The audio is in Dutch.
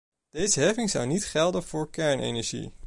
Deze heffing zou niet gelden voor kernenergie.